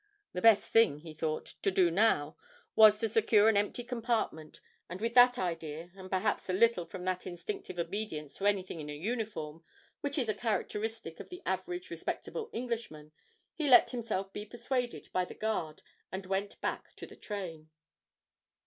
The best thing, he thought, to do now was to secure an empty compartment, and with that idea, and perhaps a little from that instinctive obedience to anything in a uniform which is a characteristic of the average respectable Englishman, he let himself be persuaded by the guard, and went back to the train.